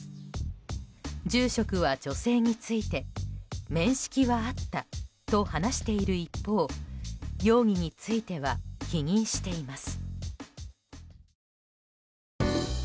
住職は女性について面識はあったと話している一方容疑については否認しています。